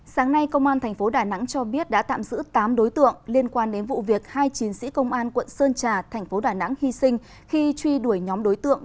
sáng nay công an tp đn cho biết đã tạm giữ tám đối tượng liên quan đến vụ việc hai chiến sĩ công an quận sơn trà tp đn hy sinh khi truy đuổi nhóm đối tượng